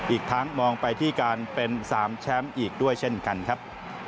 อีกทั้งมองไปที่การเป็น๓แชมป์อีกด้วยเช่นกันครับ